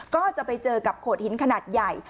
ก็จะไปเจอกับโขดหินขนาดใหญ่